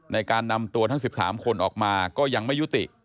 ในการนำตัวทั้ง๑๓คนออกมาก็ยังไม่ยุติ